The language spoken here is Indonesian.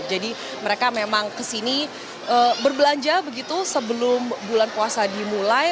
jadi mereka memang kesini berbelanja begitu sebelum bulan puasa dimulai